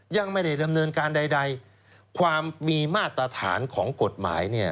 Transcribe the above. ยังไม่ได้ดำเนินการใดความมีมาตรฐานของกฎหมายเนี่ย